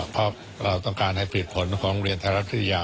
เพราะเราต้องการให้เหตุผลของโรงเรียนไทยรัฐวิทยา